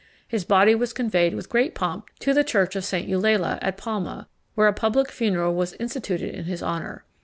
His body was conveyed with great pomp to the church of St. Eulalia, at Palma, where a public funeral was instituted in his honour.